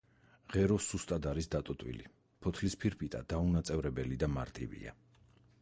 ღერო სუსტად არის დატოტვილი, ფოთლის ფირფიტა დაუნაწევრებელი და მარტივია.